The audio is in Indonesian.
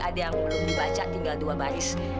ada yang belum dibaca tinggal dua baris